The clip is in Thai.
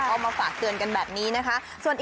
เอามาฝากเตือนกันแบบนี้นะคะ